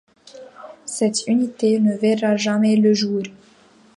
Cette unité ne verra jamais le jour.